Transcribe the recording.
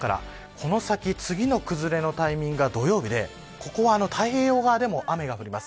この先、次の崩れのタイミングは土曜日でここは太平洋側でも雨が降ります。